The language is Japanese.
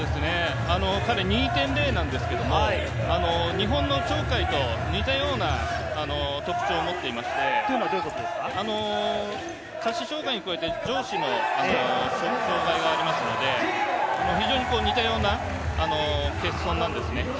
彼、２．０なんですが日本の鳥海と似たような特徴を持っていまして、下肢障がいに加えて上肢の障がいがありますので、非常に似たような欠損なんですね。